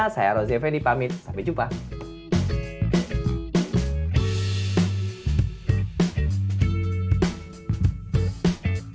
saya rozzy fendi pamit sampai jumpa